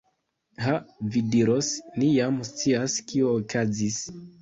Ha, vi diros, ni jam scias, kio okazis.